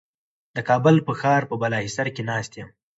د کابل په ښار په بالاحصار کې ناست یم.